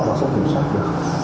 vào số kiểm soát được